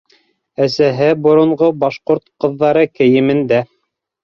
Әсәһе боронғо башҡорт ҡыҙҙары кейемендә.